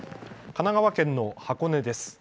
神奈川県の箱根です。